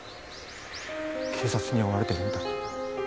警察に追われてるんだ。